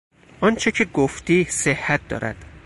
آنچه که گفتی صحت دارد.